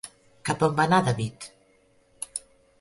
Cap on va anar David?